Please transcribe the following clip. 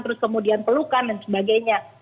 terus kemudian pelukan dan sebagainya